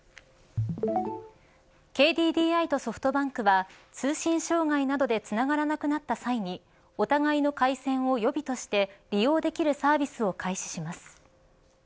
ＫＤＤＩとソフトバンクは通信障害などでつながらなくなった際にお互いの回線を予備として利用できるサービスを開始します。